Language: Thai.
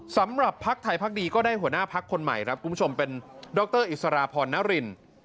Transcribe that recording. สำหรับภักดิ์ไทยพักดีก็ได้หัวหน้าพักคนใหม่ครับคุณผู้ชมเป็นดรอิสราพรนริน